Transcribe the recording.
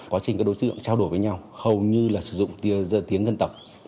quá trình các đối tượng trao đổi với nhau hầu như là sử dụng tiếng dân tộc